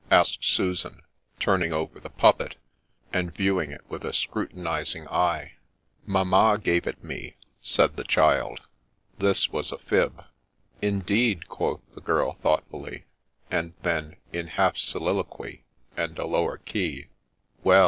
asked Susan, turning over the puppet, and viewing it with a scrutinizing eye. ' Mamma gave it me,' said the child. — This was a fib !' Indeed !' quoth the girl thoughtfully ; and then, in half soliloquy, and a lower key, ' Well